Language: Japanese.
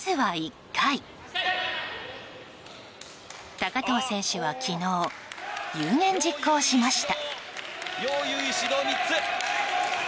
高藤選手は昨日有言実行しました。